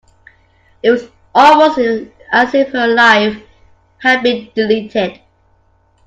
It was almost as if her life had been deleted.